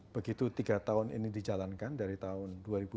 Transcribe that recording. begitu tiga tahun ini dijalankan dari tahun dua ribu dua puluh